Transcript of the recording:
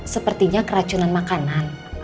sepertinya keracunan makanan